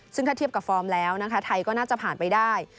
ซึ่งถ้าเทียบกับฟอร์มแล้วนะคะไทยก็น่าจะผ่านไปได้